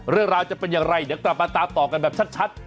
เรื่องราวจะเป็นอย่างไรเดี๋ยวกลับมาตามต่อกันแบบชัด